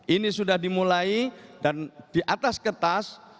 ini sudah dimulai dan di atas kertas